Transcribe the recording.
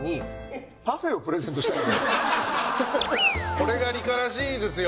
これが梨加らしいですよ。